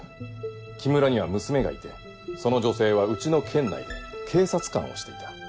木村には娘がいてその女性はうちの県内で警察官をしていた。